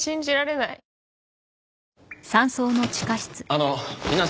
あの皆さん。